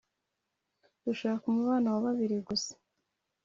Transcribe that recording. dushaka umubano wa babiri gusa